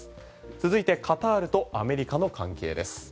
続いてカタールとアメリカの関係です。